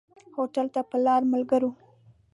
هوټل ته پر لاره ملګرو.